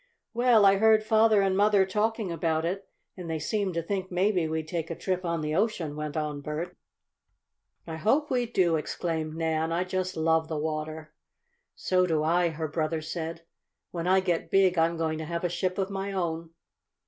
"Well, I heard father and mother talking about it, and they seemed to think maybe we'd take a trip on the ocean," went on Bert. "I hope we do!" exclaimed Nan. "I just love the water!" "So do I!" her brother said. "When I get big I'm going to have a ship of my own."